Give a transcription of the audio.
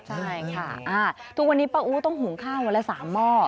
ใช่ค่ะทุกวันนี้ป้าอู๋ต้องหุงข้าววันละ๓หม้อ